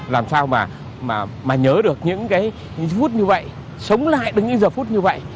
làm sao mà nhớ được những cái phút như vậy sống lại đến những giờ phút như vậy